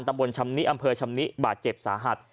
ตำบลชำนิอำเภอชำนิบาดเจ็บสาหัส